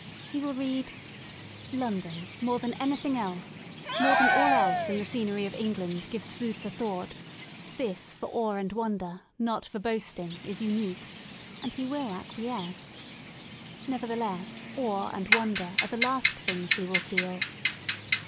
He will read, *^ Lon don more than all else in the scenery of England gives food for thought; this for awe and wonder, not for boasting, is unique" — and he will acquiesce. Never theless awe and wonder are the last things he will feel.